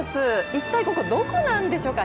一体ここ、どこなんでしょうか。